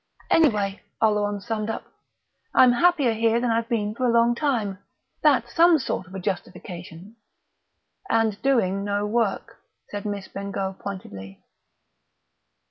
"Anyway," Oleron summed up, "I'm happier here than I've been for a long time. That's some sort of a justification." "And doing no work," said Miss Bengough pointedly.